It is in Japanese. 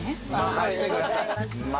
任せてください。